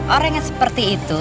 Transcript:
orang yang seperti itu